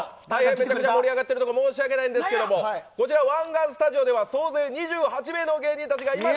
盛り上がってるところ申し訳ないんですけどこちら湾岸スタジオでは総勢２８名の芸人たちがいます。